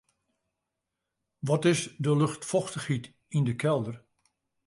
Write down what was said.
Wat is de luchtfochtichheid yn 'e kelder?